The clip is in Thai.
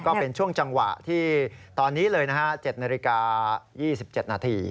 ก็เป็นช่วงจังหวะที่ตอนนี้เลยนะฮะ๗นาฬิกา๒๗นาที